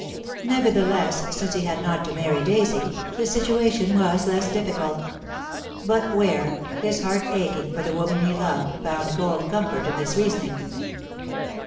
Nevertheless, since he had not to marry Daisy, the situation was less difficult. But Ware, his heart aching for the woman he loved, found cold comfort in this reasoning.